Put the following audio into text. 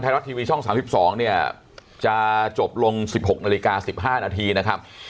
ไทยรัสทีวีช่องสามสิบสองเนี้ยจะจบลงสิบหกนาฬิกาสิบห้านาทีนะครับ